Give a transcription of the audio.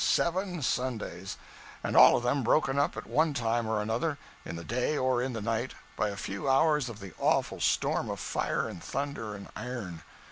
Seven Sundays, and all of them broken up at one time or another, in the day or in the night, by a few hours of the awful storm of fire and thunder and iron.